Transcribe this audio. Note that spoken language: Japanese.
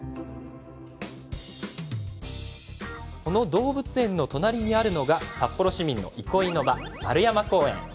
この動物園の隣にあるのが札幌市民の憩いの場、円山公園。